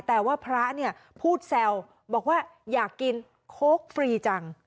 แต่ว่าพระเนี่ยพูดแซวบอกว่าอยากกินโค้กฟรีจัง